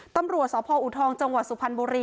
ตามรั่วสพอุทรทองจังหวัดสุพรรณบุรี